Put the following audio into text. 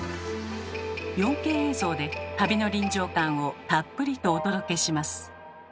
４Ｋ映像で旅の臨場感をたっぷりとお届けします。